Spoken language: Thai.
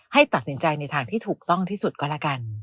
ให้ตัดสินใจในทางที่ถูกต้องที่สุดก็แล้วกัน